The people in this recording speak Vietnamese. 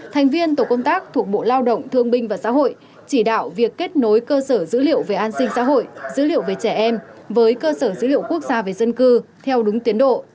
thành viên tổ công tác thuộc bộ lao động thương binh và xã hội chỉ đạo việc kết nối cơ sở dữ liệu về an sinh xã hội dữ liệu về trẻ em với cơ sở dữ liệu quốc gia về dân cư theo đúng tiến độ